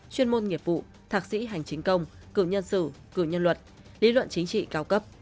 chuyên môn nghiệp vụ thạc sĩ hành chính công cử nhân sự cử nhân luật lý luận chính trị cao cấp